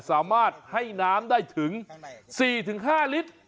สามารถให้น้ำได้ถึงข้างในสี่ถึงห้าลิตร